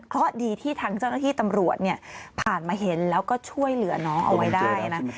เพราะดีที่ทางเจ้าหน้าที่ตำรวจเนี่ยผ่านมาเห็นแล้วก็ช่วยเหลือน้องเอาไว้ได้นะ